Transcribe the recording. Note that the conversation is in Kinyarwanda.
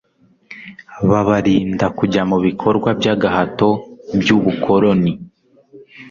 babarinda kujya mu bikorwa by'agahato by'ubukoloni